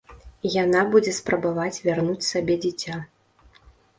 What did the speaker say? Яна будзе спрабаваць вярнуць сабе дзіця.